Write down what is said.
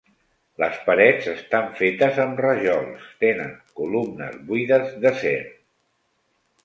Les parets estan fetes amb rajols, tenen columnes buides d'acer.